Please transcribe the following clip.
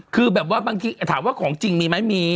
คือแบบว่าบางทีถามว่าของจริงมีไหมมี